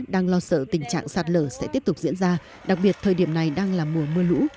đang lo sợ tình trạng sạt lở sẽ tiếp tục diễn ra đặc biệt thời điểm này đang là mùa mưa lũ